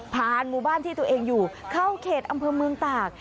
หมู่บ้านที่ตัวเองอยู่เข้าเขตอำเภอเมืองตาก